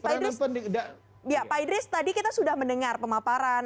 pak idris tadi kita sudah mendengar pemaparan